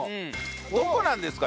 どこなんですか？